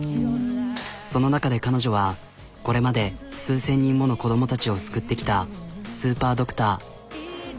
その中で彼女はこれまで数千人もの子供たちを救ってきたスーパードクター。